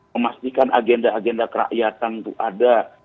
memastikan agenda agenda kerakyatan itu ada